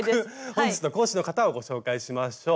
本日の講師の方をご紹介しましょう。